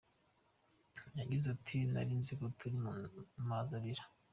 Yagize ati “Nari nziko turi mu mazi abira.